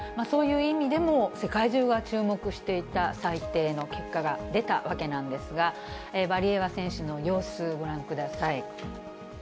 そういう意味でも、世界中が注目していた裁定の結果が出たわけなんですが、ワリエワ選手の様子、ご覧ください。